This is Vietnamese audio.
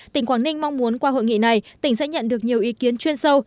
tỉnh quảng ninh mong muốn qua hội nghị này tỉnh sẽ nhận được nhiều ý kiến chuyên sâu